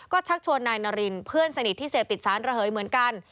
ก็ชักชวนนายนารินเพื่อนสนิทที่เสพติดสารระเหยเหมือนกัน